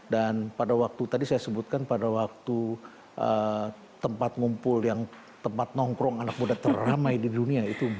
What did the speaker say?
dan pada waktu tadi saya sebutkan pada waktu tempat ngumpul yang tempat nongkrong anak muda teramai di dunia itu adalah tujuh sebelas